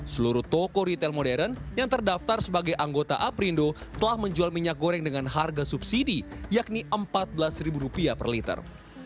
seluruh toko retail modern yang terdaftar sebagai anggota aprindo telah menjual minyak goreng dengan harga subsidi yakni rp empat belas per liter